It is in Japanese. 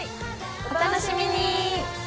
お楽しみに！